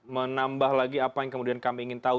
menambah lagi apa yang kemudian kami ingin tahu